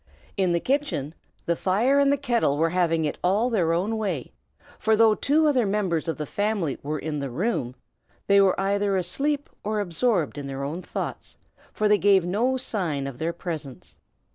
In the kitchen, the fire and the kettle were having it all their own way, for though two other members of the family were in the room, they were either asleep or absorbed in their own thoughts, for they gave no sign of their presence.